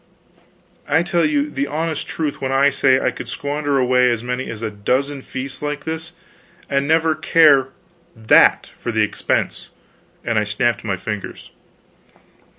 I tell you the honest truth when I say I could squander away as many as a dozen feasts like this and never care that for the expense!" and I snapped my fingers.